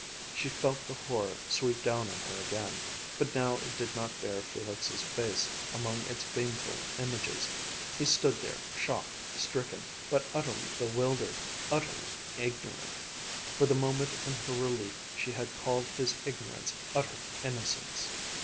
She felt the horror sweep down on her again; but now it did not bear Felix' face among its baneful images. He stood there, shocked, stricken, but utterly bewildered, utterly ignorant for the moment in her relief she had called his ignorance utter innocence